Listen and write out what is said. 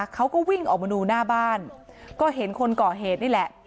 เขาก็วิ่งออกมาดูหน้าบ้านก็เห็นคนก่อเหตุนี่แหละ